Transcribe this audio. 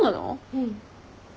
うん。